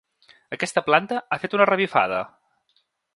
Aquesta planta ha fet una revifada!